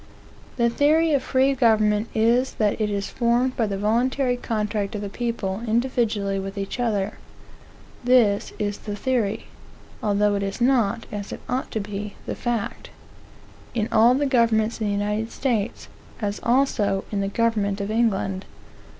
The theory of free government is that it is formed by the voluntary contract of the people individually with each other. This is the theory, (although it is not, as it ought to be, the fact,) in all the governments in the United States, as also in the government of England.